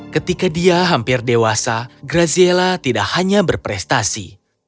ketika dia hampir dewasa graziela tidak hanya berprestasi